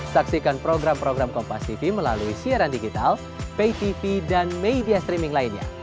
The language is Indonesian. saksikan program program kompastv melalui siaran digital paytv dan media streaming lainnya